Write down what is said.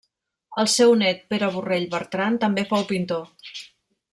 El seu nét Pere Borrell Bertran també fou pintor.